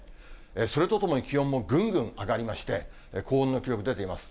それとともに気温もぐんぐん上がりまして、こんな記録出ています。